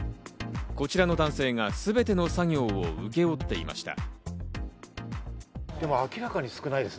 こちらの男性がすべての作業を請け負っていました。